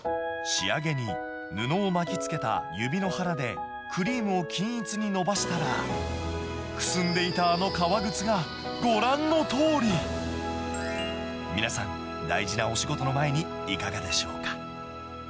仕上げに、布を巻きつけた指の腹でクリームを均一にのばしたら、くすんでいたあの革靴がご覧のとおり、皆さん、大事なお仕事の前に、いかがでしょうか。